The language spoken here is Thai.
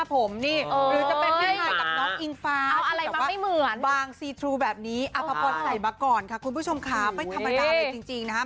อภัพรหายมาก่อนค่ะคุณผู้ชมค่ะไม่ธรรมดาเลยจริงนะครับ